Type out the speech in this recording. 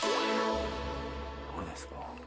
どうですか？